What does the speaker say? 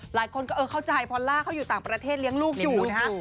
หลายคนก็เออเข้าใจพอลล่าเขาอยู่ต่างประเทศเลี้ยงลูกอยู่นะฮะ